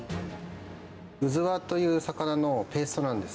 ウズワという魚のペーストなんです。